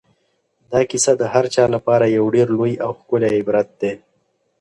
دا کیسه د هر چا لپاره یو ډېر لوی او ښکلی عبرت دی.